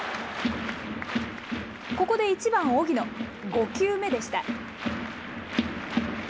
ここで１番荻野、５球目でした。